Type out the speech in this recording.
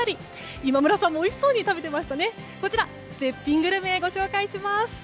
今村さんもおいしそうに食べていた絶品グルメをご紹介します。